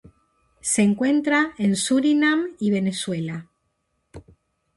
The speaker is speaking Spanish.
Se encuentra en Surinam y Venezuela.